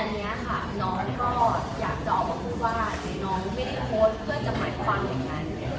อันนี้ค่ะน้องพ่ออยากจอบเพราะพูดว่าน้องไม่ได้โฆษเพื่อจะหมายความเหมือนกัน